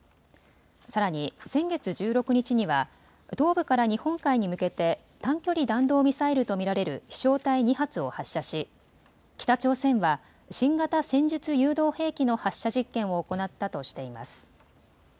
さらに先月１６日には東部から日本海に向けて短距離弾道ミサイルと見られる飛しょう体２発を発射し北朝鮮は新型戦術誘導兵器の発射実験を行ったとしています。